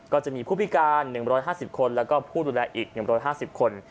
ก็จะมีผู้พิการ๑๕๐คนแล้วก็ผู้ดูแลอีก๑๕๐คน